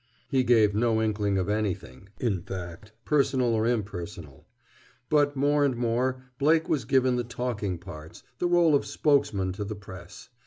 He gave no inkling of anything, in fact, personal or impersonal. But more and more Blake was given the talking parts, the rôle of spokesman to the press.